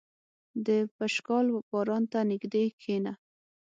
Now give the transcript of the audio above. • د پشکال باران ته نږدې کښېنه.